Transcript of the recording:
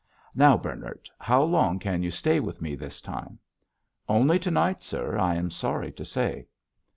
Now, Bernard, how long can you stay with me this time?" "Only to night, sir, I am sorry to say."